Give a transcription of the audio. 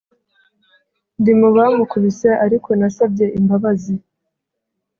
Ndi mubamukubise ariko nasabye imbabazi